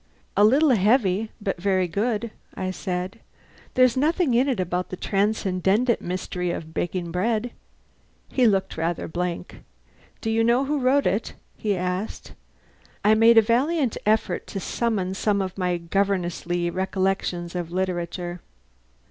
"A little heavy, but very good," I said. "There's nothing in it about the transcendent mystery of baking bread!" He looked rather blank. "Do you know who wrote it?" he asked. I made a valiant effort to summon some of my governessly recollections of literature.